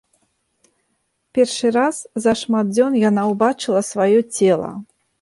Першы раз за шмат дзён яна ўбачыла сваё цела.